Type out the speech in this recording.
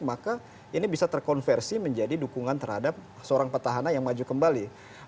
maka ini bisa terkonversi menjadi dukungan terhadap seorang petahana yang maju kembali